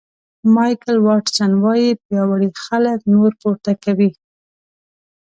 مایکل واټسن وایي پیاوړي خلک نور پورته کوي.